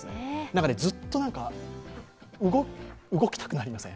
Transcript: ずっと動きたくなりません？